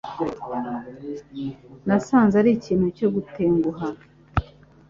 Nasanze ari ikintu cyo gutenguha.